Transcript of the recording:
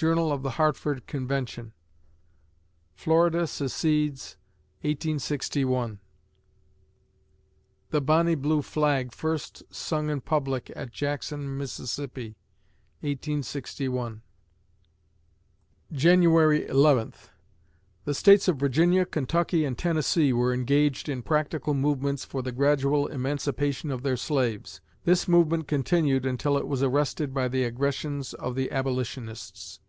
Journal of the Hartford Convention Florida secedes, 1861 The "Bonnie Blue Flag" first sung in public at Jackson Mississippi, 1861 January Eleventh The States of Virginia, Kentucky, and Tennessee were engaged in practical movements for the gradual emancipation of their slaves. This movement continued until it was arrested by the aggressions of the Abolitionists.